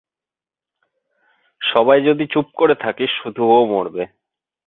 সবাই যদি চুপ করে থাকিস শুধু ও মরবে।